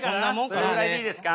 それぐらいでいいですか？